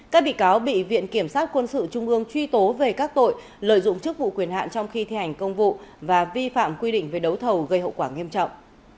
các bị cáo bị viện kiểm sát quân sự trung ương truy tố về các tội lợi dụng chức vụ quyền hạn trong khi thi hành công vụ và vi phạm quy định về đấu thầu gây hậu quả nghiêm trọng